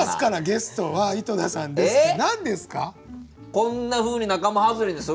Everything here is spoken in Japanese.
こんなふうに仲間外れにするんですか？